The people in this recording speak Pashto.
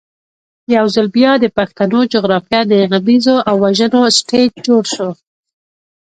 یو ځل بیا د پښتنو جغرافیه د غمیزو او وژنو سټېج جوړ شو.